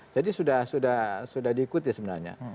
jadi sudah diikuti sebenarnya